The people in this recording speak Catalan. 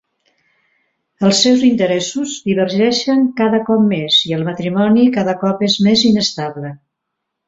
Els seus interessos divergeixen cada cop més i el matrimoni cada cop és més inestable.